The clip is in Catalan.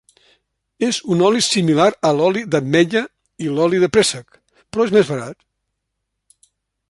És un oli similar a l’oli d'ametlla i l’oli de préssec, però és més barat.